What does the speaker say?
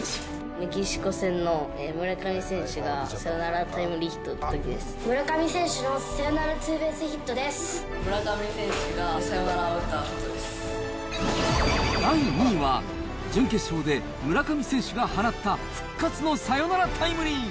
メキシコ戦の村上選手がサヨナラタイムリーヒット打ったとき村上選手のサヨナラツーベー村上選手がサヨナラを打った第２位は、準決勝で村上選手が放った復活のサヨナラタイムリー。